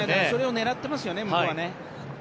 それを狙っていますよね。